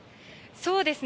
そうですね。